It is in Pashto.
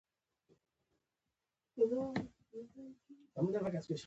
نبي کريم ص وفرمايل علم ترلاسه کړئ.